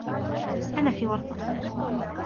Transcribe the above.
أنا في ورطة.